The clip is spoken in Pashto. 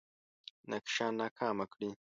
نقشه ناکامه کړي.